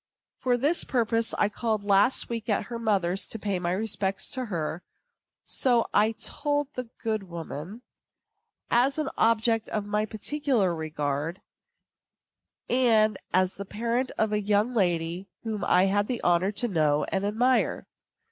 For this purpose I called last week at her mother's to pay my respects to her (so I told the good woman) as an object of my particular regard, and as the parent of a young lady whom I had the honor to know and admire.